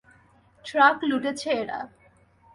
Truck লুটেছে এরা।